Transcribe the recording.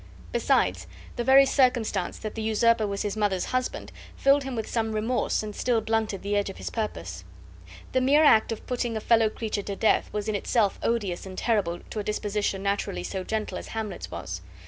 Besides, the very circumstance that the usurper was his mother's husband, filled him with some remorse and still blunted the edge of his purpose. The mere act of putting a fellow creature to death was in itself odious and terrible to a disposition naturally so gentle as Hamlet's was.